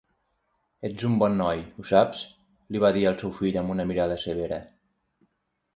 "Ets un bon noi, ho saps?", li va dir al seu fill amb una mirada severa.